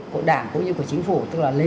của đảng cũng như của chính phủ tức là lên